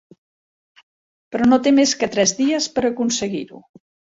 Però no té més que tres dies per aconseguir-ho.